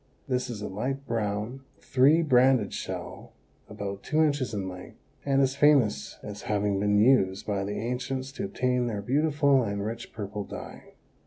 This is a light brown, three banded shell about two inches in length and is famous as having been used by the ancients to obtain their beautiful and rich purple dye.